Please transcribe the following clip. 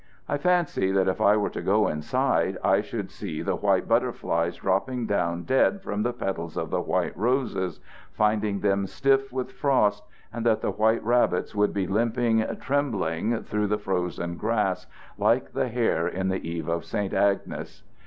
I fancy that if I were to go inside I should see the white butterflies dropping down dead from the petals of the white roses, finding them stiff with frost, and that the white rabbits would be limping trembling through the frozen grass, like the hare in 'The Eve of St. Agnes.'